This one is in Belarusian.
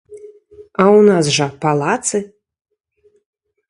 А ў нас жа палацы.